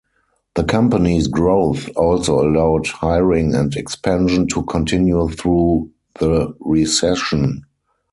The company's growth also allowed hiring and expansion to continue through the recession.